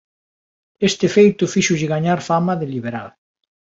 Este feito fíxolle gañar fama de liberal.